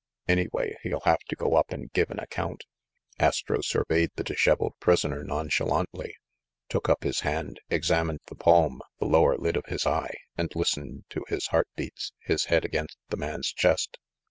Anyway, he'll have to go up and give an ac count." Astro surveyed the disheveled prisoner nonchalantly, took up his hand, examined the palm, the lower lid of his eye, and listened to his heart beats, his head against the man's chest.